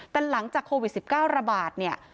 แต่หลังจากโควิด๑๙ระบาดเนี่ย